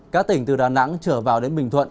các tỉnh từ đà nẵng trở vào đến bình thuận